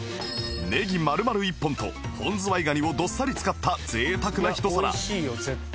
ネギ丸々一本と本ズワイガニをどっさり使った贅沢な一皿